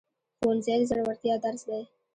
ښوونځی د زړورتیا درس دی